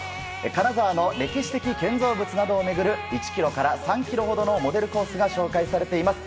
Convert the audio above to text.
金沢の歴史的建造物を回る１ｋｍから３ｋｍほどのモデルコースが紹介されています。